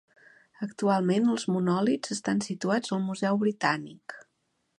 Actualment els monòlits estan situats al Museu Britànic.